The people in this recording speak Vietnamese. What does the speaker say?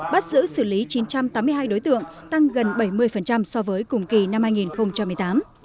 bắt giữ xử lý chín trăm tám mươi hai đối tượng tăng gần bảy mươi so với cùng kỳ năm hai nghìn một mươi tám